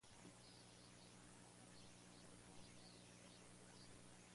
San Roque cuenta con un juzgado de Primera Instancia e Instrucción.